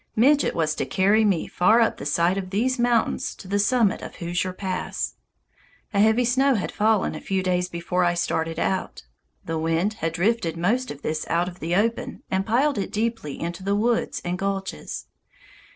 Midget was to carry me far up the side of these mountains to the summit of Hoosier Pass. A heavy snow had fallen a few days before I started out. The wind had drifted most of this out of the open and piled it deeply in the woods and gulches.